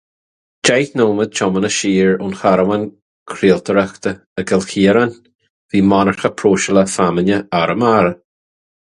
Deich nóiméad tiomána siar ón gcarbhán craoltóireachta, i gCill Chiaráin, bhí monarcha próiseála feamainne Arramara.